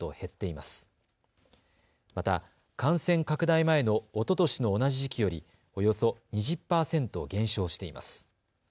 また、感染拡大前のおととしの同じ時期よりおよそ２０％減少しています。